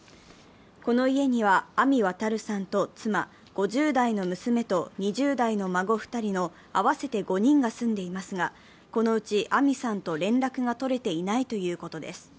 この家には阿見亘さんと妻、５０代の娘と２０代の孫２人の合わせて５人が住んでいますが、このうち阿見さんと連絡が取れていないということです。